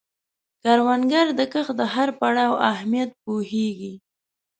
کروندګر د کښت د هر پړاو اهمیت پوهیږي